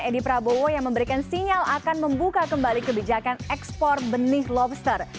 edi prabowo yang memberikan sinyal akan membuka kembali kebijakan ekspor benih lobster